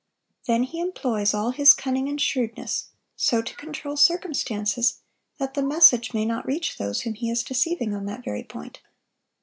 Then he employs all his cunning and shrewdness so to control circumstances that the message may not reach those whom he is deceiving on that very point.